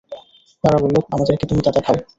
তারা বলল, আমাদেরকে তুমি তা দেখাও।